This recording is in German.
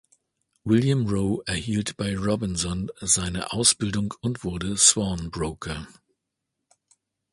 William Row erhielt bei Robinson seine Ausbildung und wurde Sworn Broker.